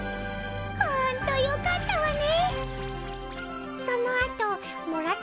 ホントよかったわね。